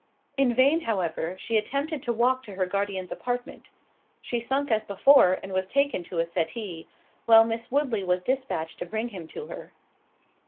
In vain, however, she attempted to walk to her guardian's apartment—she sunk as before, and was taken to a settee, while Miss Woodley was dispatched to bring him to her.